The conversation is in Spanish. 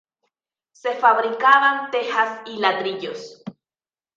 Se fabricaban tejas y ladrillos.